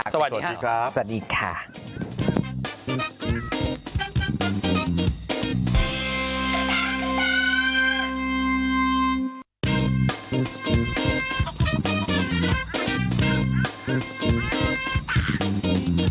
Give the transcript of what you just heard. สวัสดีครับ